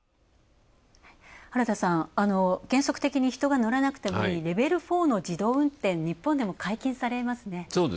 原田さん、原則的に人が乗らなくてもいいレベル４の自動運転、日本でも解禁されますね。